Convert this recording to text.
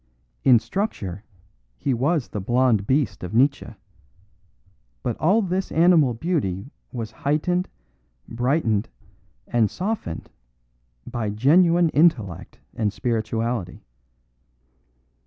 In structure he was the blonde beast of Nietzsche, but all this animal beauty was heightened, brightened and softened by genuine intellect and spirituality.